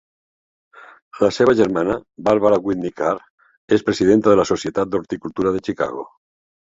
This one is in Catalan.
La seva germana, Barbara Whitney Carr, és presidenta de la Societat d'horticultura de Chicago.